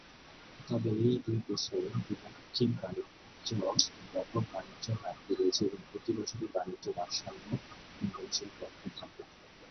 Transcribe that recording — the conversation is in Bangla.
তবে, এই দুই দেশের দ্বিপাক্ষিক বাণিজ্যে ব্যাপক বাণিজ্য ঘাটতি রয়েছে এবং প্রতিবছরই বাণিজ্য ভারসাম্য ইন্দোনেশিয়ার পক্ষে থাকে।